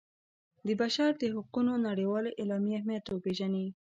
د بشر د حقونو نړیوالې اعلامیې اهمیت وپيژني.